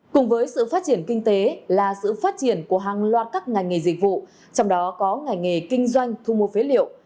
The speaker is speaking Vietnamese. cùng với sự phát triển kinh tế là sự phát triển của hàng loạt các ngành nghề dịch vụ trong đó có ngành nghề kinh doanh thu mua phế liệu